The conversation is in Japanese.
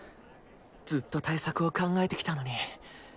ずっと対策を考えてきたのに。